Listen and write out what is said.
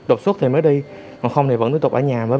đột xuất thì mới đi còn không thì vẫn tiếp tục ở nhà